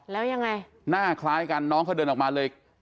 แล้วยังไงหน้าคล้ายกันน้องเขาเดินออกมาเลย